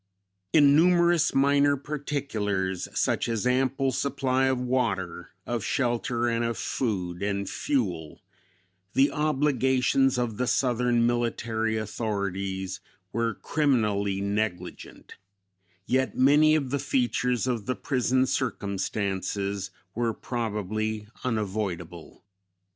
In numerous minor particulars, such as ample supply of water, of shelter and of food and fuel, the obligations of the southern military authorities were criminally negligent; yet many of the features of the prison circumstances were probably unavoidable.